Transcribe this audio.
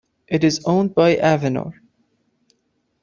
It is owned by Avinor.